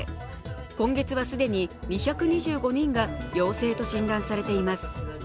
今月は既に２２５人が陽性と診断されています。